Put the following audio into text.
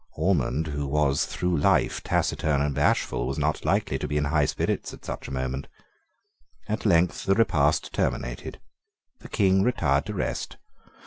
Ormond, who was through life taciturn and bashful, was not likely to be in high spirits at such a moment. At length the repast terminated. The King retired to rest.